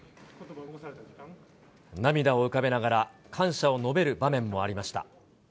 涙を浮かべながら感謝を述べる場面もありました。